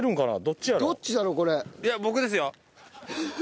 いや僕ですよ。